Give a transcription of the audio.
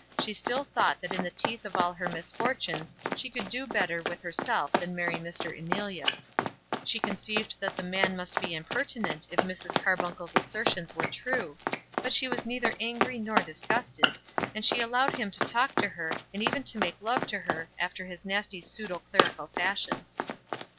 She still thought that in the teeth of all her misfortunes she could do better with herself than marry Mr. Emilius. She conceived that the man must be impertinent if Mrs. Carbuncle's assertions were true; but she was neither angry nor disgusted, and she allowed him to talk to her, and even to make love to her, after his nasty pseudo clerical fashion.